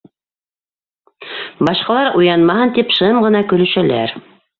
Башҡалар уянмаһын тип шым ғына көлөшәләр.